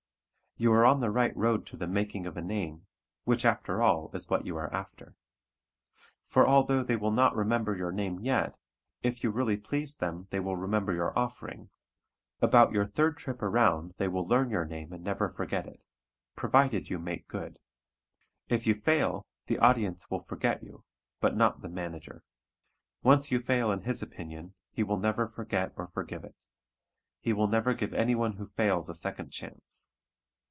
You are on the right road to the "making of a name," which after all is what you are after. For although they will not remember your name yet, if you really pleased them they will remember your offering; about your third trip around they will learn your name and never forget it provided you "make good." If you fail, the audience will forget you; but not the manager. Once you fail in his opinion, he will never forget or forgive it. He will never give anyone who fails a second chance.